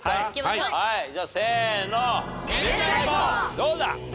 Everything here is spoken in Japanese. どうだ？